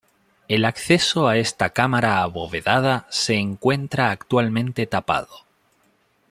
El acceso a esta cámara abovedada se encuentra actualmente tapado.